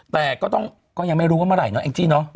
แต่ก็ต้องก็ยังไม่รู้เมื่อไหร่เนาะเองสิเนอะ